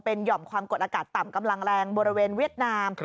หย่อมความกดอากาศต่ำกำลังแรงบริเวณเวียดนาม